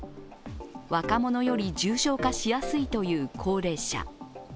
若者より、重症化しやすいという高齢者。